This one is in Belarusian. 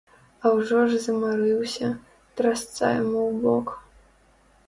А ўжо ж замарыўся, трасца яму ў бок!